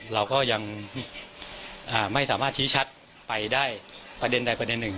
เราก็ยังไม่สามารถชี้ชัดไปได้ประเด็นใดประเด็นหนึ่ง